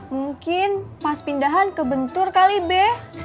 mungkin pas pindahan ke bentur kali be